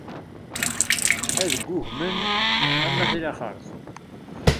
Ad ggugmen am wayt laxert.